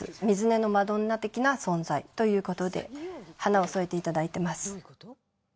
水根のマドンナ的な存在ということで華を添えていただいてます。